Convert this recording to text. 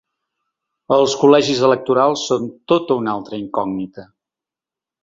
Els col·legis electorals són tota una altra incògnita.